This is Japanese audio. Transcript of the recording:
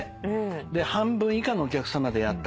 で半分以下のお客さまでやった川越。